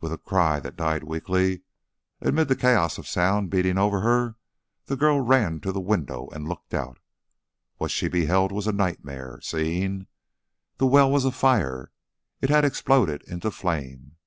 With a cry that died weakly amid the chaos of sound beating over her, the girl ran to the window and looked out. What she beheld was a nightmare scene. The well was afire. It had exploded into flame.